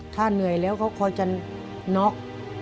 ถ้าเหนื่อยแล้วเขาคอยจะน็อก